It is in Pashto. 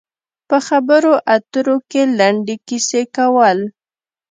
په خبرو اترو کې د لنډې کیسې کول.